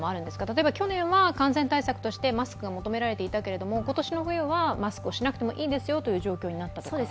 例えば去年は感染対策としてマスクを求められていたけれども、今年の冬はマスクをしなくてもいいですよという状況になったとか。